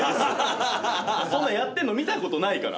そんなんやってんの見たことないから。